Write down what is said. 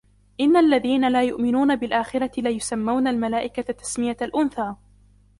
إن الذين لا يؤمنون بالآخرة ليسمون الملائكة تسمية الأنثى